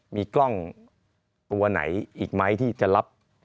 มีกล้องตัวไหนอีกไหมที่จะรับ